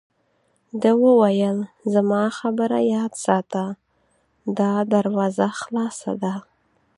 ده وویل: زما خبره یاد ساته، دا دروازه خلاصه ده.